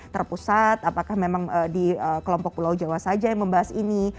terpusat apakah memang di kelompok pulau jawa saja yang membahas ini